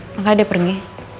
makanya dia pergi